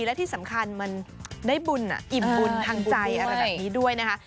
และที่สำคัญมันได้บุญอิ่มบุญทางใจอะไรแบบนี้ด้วยนะคะ